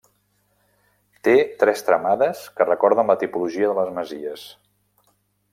Té tres tramades que recorden la tipologia de les masies.